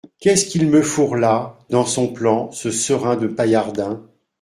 Qu’est-ce qu’il me fourre là, dans son plan, ce serin de Paillardin !